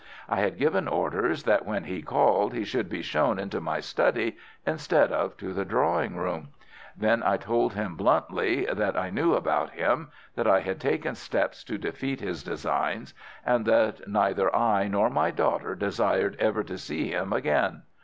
I had given orders that when he called he should be shown into my study instead of to the drawing room. There I told him bluntly that I knew all about him, that I had taken steps to defeat his designs, and that neither I nor my daughter desired ever to see him again.